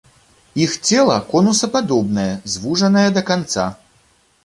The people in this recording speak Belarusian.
Іх цела конусападобнае, звужанае да канца.